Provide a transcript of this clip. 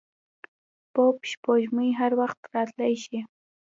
پوپ سپوږمۍ هر وخت راتلای شي.